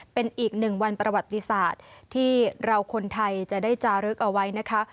เป็นอีกหนึ่งวันประวัติศาสตร์ที่เราคนไทยจะได้จารึกเอาไว้นะคะ